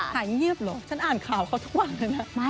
หายเงียบเหรอฉันอ่านข่าวเขาทุกวันเลยนะ